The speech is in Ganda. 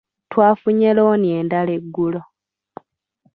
Twafunye looni endala eggulo.